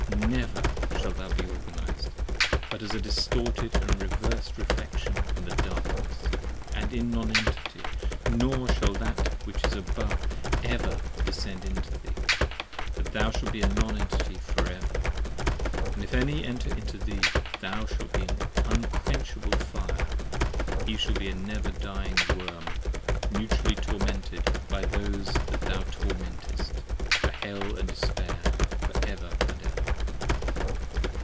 never! shalt thou be Organized, But as a distorted & reversed Reflexion in the Darkness And in the Non Entity: nor shall that which is above Ever descend into thee : but thou shalt be a Non Entity for ever. 45 And if any enter into thee, thou shalt be an Unquenchable Fire And he shall be a never dying Worm, mutually tormented by Those that thou tormentest, a Hell & Despair for ever & ever.